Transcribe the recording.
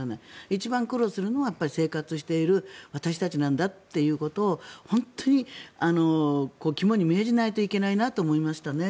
一番苦労するのは生活している私たちなんだということを本当に肝に銘じないといけないなと思いましたね。